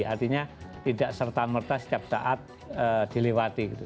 artinya tidak serta merta setiap saat dilewati gitu